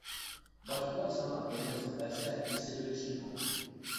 باشقىلار ساڭا بىر نەرسە بەرسە ئېسىلىۋېلىشى مۇمكىن.